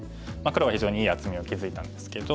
黒は非常にいい厚みを築いたんですけど。